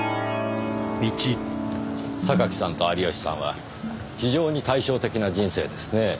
榊さんと有吉さんは非常に対照的な人生ですね。